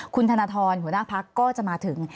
คุณธนทรหัวหน้าพักก็จะมาถึง